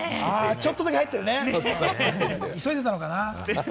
ちょっとだけ中に入っているね、急いでたのかな？